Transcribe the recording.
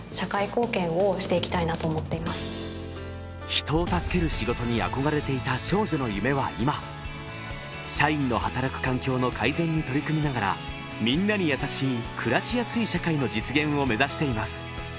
人を助ける仕事に憧れていた少女の夢は今社員の働く環境の改善に取り組みながらみんなに優しい暮らしやすい社会の実現を目指しています